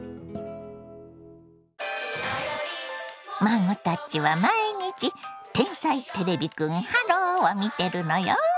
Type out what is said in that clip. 孫たちは毎日「天才てれびくんｈｅｌｌｏ，」を見てるのよ。